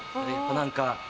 何か。